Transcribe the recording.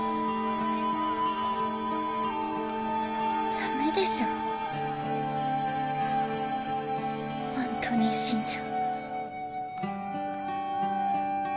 ダメでしょほんとに死んじゃ。